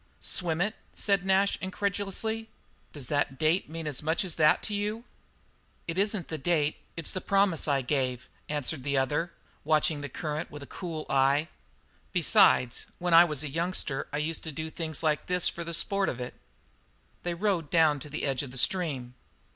"Swim it?" said Nash incredulously. "Does that date mean as much as that to you?" "It isn't the date; it's the promise I gave," answered the other, watching the current with a cool eye, "besides, when I was a youngster I used to do things like this for the sport of it." They rode down to the edge of the stream.